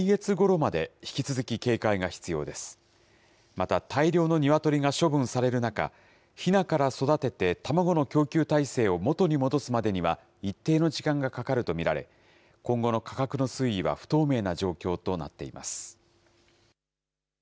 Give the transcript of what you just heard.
また大量のニワトリが処分される中、ひなから育てて卵の供給体制を元に戻すまでには一定の時間がかかると見られ、今後の価格の推移は不透明な状況となっています。